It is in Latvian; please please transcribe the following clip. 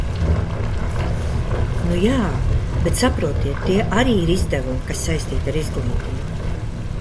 Nu jā, bet saprotiet, tie arī ir izdevumi, kas saistīti ar izglītību.